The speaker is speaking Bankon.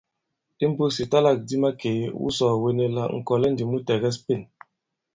Imbūs ìtalâkdi makèe , wu sɔ̀ɔ̀wene la ŋ̀kɔ̀lɛ ndī mu tɛ̀gɛs Pên.